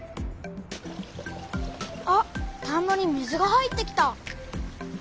あ田んぼに水が入ってきた。